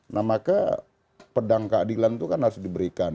nah maka pedang keadilan itu kan harus diberikan